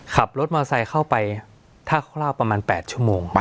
ขับรถมอไซค์เข้าไปท่าคร่าวประมาณ๘ชั่วโมง